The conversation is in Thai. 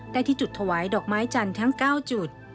ที่จุดถวายดอกไม้จันทร์ทั้ง๙จุด